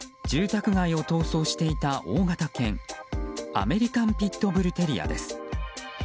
住宅街を逃走していた大型犬アメリカン・ピット・ブル・テリアです。